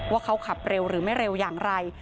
ว่าเขาขับเร็วหรือไม่เร็วอย่างไร